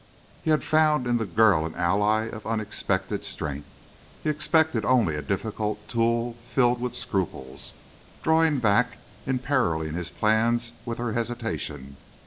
He had found in the girl an ally of unexpected strength. He expected only a difficult tool filled with scruples, drawing back, imperiling his plans with her hesitation.